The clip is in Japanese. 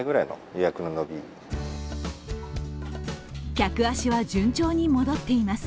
客足は順調に戻っています。